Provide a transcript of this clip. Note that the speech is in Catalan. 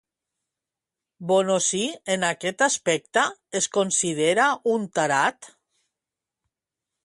Bonosi en aquest aspecte es considera un tarat?